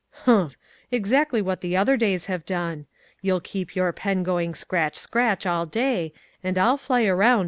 "Humph! Exactly what the other days have done. You'll keep your pen going scratch, scratch, all day, and I'll fly around FROM MIDNIGHT TO SUNRISE.